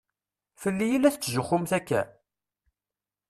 Fell-i i la tetzuxxumt akka?